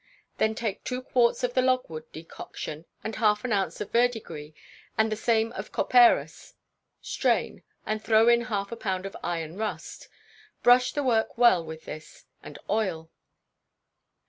Then take two quarts of the logwood decoction, and half an ounce of verdigris, and the same of copperas; strain, and throw in half a pound of iron rust. Brush the work well with this, and oil.